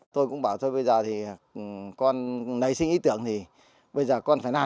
tôi cũng bảo thôi bây giờ thì con nảy sinh ý tưởng thì bây giờ con phải làm